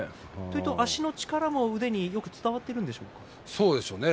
足の力もちゃんと前に伝わっているんでしょうか。